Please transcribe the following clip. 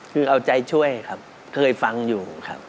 คือเอาใจช่วยครับเคยฟังอยู่ครับ